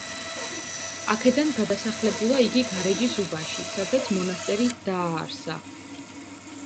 აქედან გადასახლებულა იგი გარეჯის უბანში, სადაც მონასტერი დააარსა.